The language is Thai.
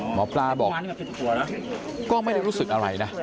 หมอปลาบอกก็ไม่ได้รู้สึกอะไรนะ